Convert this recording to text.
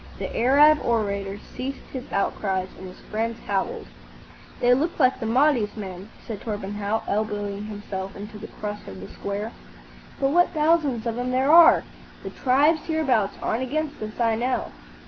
The Arab orator ceased his outcries, and his friends howled. "They look like the Mahdi's men," said Torpenhow, elbowing himself into the crush of the square; "but what thousands of 'em there are! The tribes hereabout aren't against us, I know."